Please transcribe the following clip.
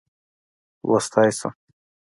لوستلای شم.